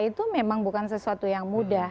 itu memang bukan sesuatu yang mudah